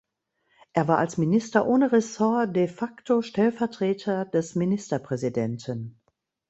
Er war als Minister ohne Ressort de facto Stellvertreter des Ministerpräsidenten.